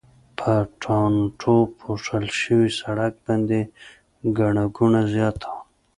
په ټانټو پوښل شوي سړک باندې ګڼه ګوڼه زیاته وه.